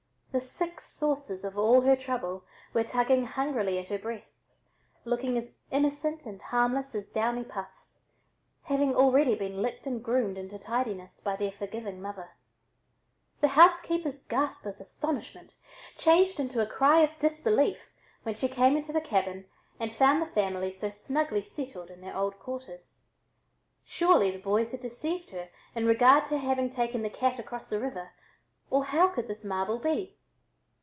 The six sources of all her trouble were tugging hungrily at her breasts, looking as innocent and harmless as downy puffs, having already been licked and groomed into tidiness by their forgiving mother. The housekeeper's gasp of astonishment changed into a cry of disbelief when she came into the cabin and found the family so snugly settled in their old quarters. Surely "the boys" had deceived her in regard to having taken the cat across the river, or how could this marvel be?